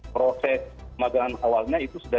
proses pemagangan awalnya itu sudah